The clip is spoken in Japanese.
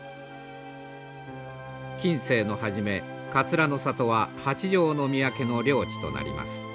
近世の初め桂の里は八条宮家の領地となります。